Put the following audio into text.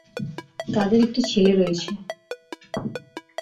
তাদের একটি ছেলে রয়েছে।